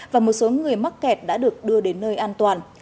và một số người mắc kẹt đã được đưa đến nơi an toàn